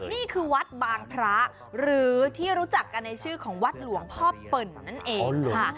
นี่คือวัดบางพระหรือที่รู้จักกันในชื่อของวัดหลวงพ่อเปิ่นนั่นเองค่ะ